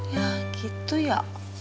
ya gitu ya